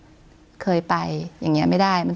คุณปริณาค่ะหลังจากนี้จะเกิดอะไรขึ้นอีกได้บ้าง